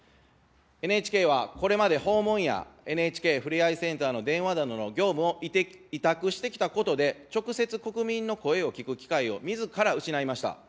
ＮＨＫはこれまで訪問やＮＨＫふれあいセンターの電話などの業務を委託してきたことで、直接国民の声を聞く機会を、みずから失いました。